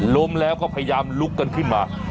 ล้มแล้วก็พยายามลุกกันขึ้นมา